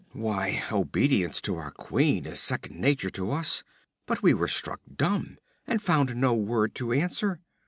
'Why, obedience to our queen is second nature to us, but we were struck dumb and found no word to answer.